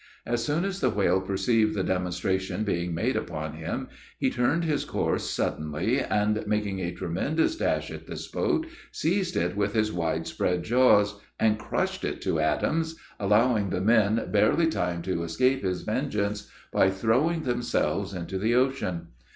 As soon as the whale perceived the demonstration being made upon him, he turned his course, suddenly, and making a tremendous dash at this boat, seized it with his wide spread jaws, and crushed it to atoms, allowing the men barely time to escape his vengeance, by throwing themselves into the ocean.